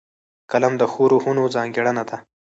قلم د ښو روحونو ځانګړنه ده